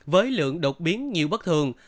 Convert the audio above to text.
với lượng đột biến nhiều bất thường